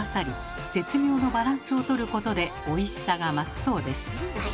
絶妙のバランスを取ることでおいしさが増すそうです。